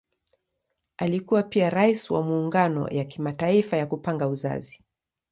Alikuwa pia Rais wa Muungano ya Kimataifa ya Kupanga Uzazi.